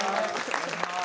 お願いします。